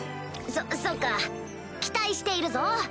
そそうか期待しているぞ。